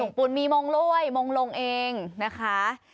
ถุงปูนมีมองล่วยมองลงเองนะคะ